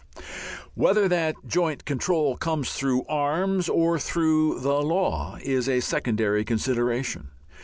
Whether that joint control comes through arms or through the law is a secondary consideration.